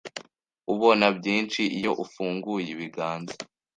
ubona byinshi iyo ufunguye ibiganza